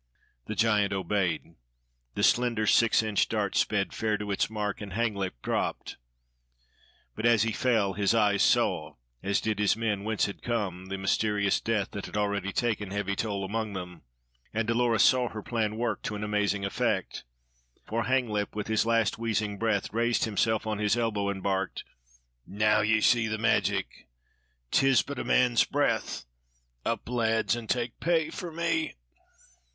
The giant obeyed. The slender, six inch dart sped fair to its mark, and Hanglip dropped. But as he fell his eyes saw, as did his men, whence had come the mysterious death that had already taken heavy toll among them. And Dolores saw her plan work to amazing effect; for Hanglip, with his last wheezing breath, raised himself on his elbow, and barked: "Now ye see the magic! 'Tis but a man's breath. Up, lads, and take pay for me!"